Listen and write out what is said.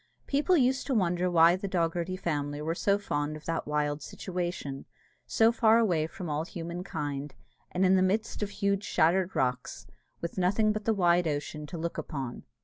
People used to wonder why the Dogherty family were so fond of that wild situation, so far away from all human kind, and in the midst of huge shattered rocks, with nothing but the wide ocean to look upon.